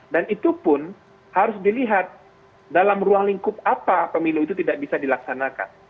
dan itu pun harus dilihat dalam ruang lingkup apa pemilu itu tidak bisa dilaksanakan